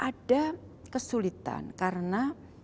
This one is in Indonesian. ada kesulitan karena